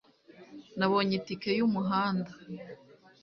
nabonye itike yumuhanda